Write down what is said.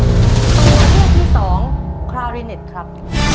ตัวเลือกที่๒คาริเนทครับ